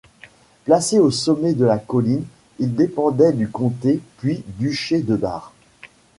Placé au sommet de la colline, il dépendait du comté puis Duché de Bar.